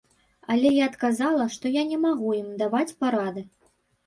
Але я адказала, што я не магу ім даваць парады.